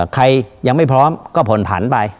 ใครยังไม่พร้อมก็ผ่อนผันไป